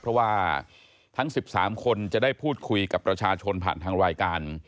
เพราะว่าทั้ง๑๓คนจะได้พูดคุยกับประชาชนผ่านทางรายการ